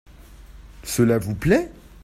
Cela vous plait ?